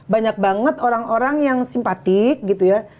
banyak banget orang orang yang simpatik gitu ya